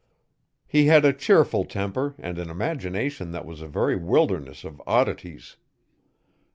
He had a cheerful temper and an imagination that was a very wilderness of oddities.